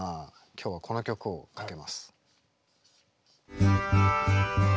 今日はこの曲をかけます。